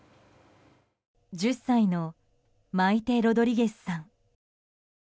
１０歳のマイテ・ロドリゲスさん。